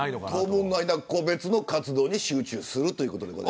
当分は個別の活動に集中するということです。